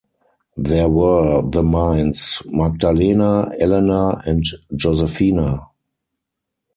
There were the mines "Magdalena", "Elena" and "Josefina".